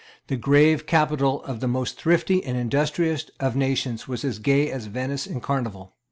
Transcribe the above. The grave capital of the most thrifty and industrious of nations was as gay as Venice in the Carnival.